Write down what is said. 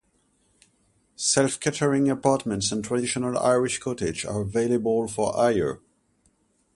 Self-catering apartments and traditional Irish cottages are available for hire.